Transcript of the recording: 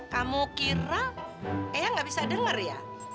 kamu kira eh gak bisa dengar ya